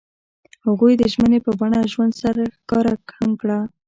هغوی د ژمنې په بڼه ژوند سره ښکاره هم کړه.